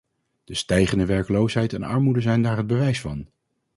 De stijgende werkloosheid en armoede zijn daar het bewijs van.